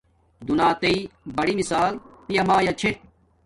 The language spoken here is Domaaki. دنیاتݵ بڑی مشال پیا مایا چھے